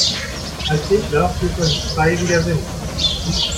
Als Segler fühlt man sich frei wie der Wind.